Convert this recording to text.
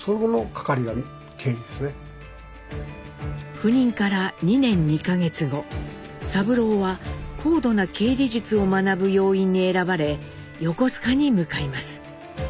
赴任から２年２か月後三郎は高度な経理術を学ぶ要員に選ばれ横須賀に向かいます。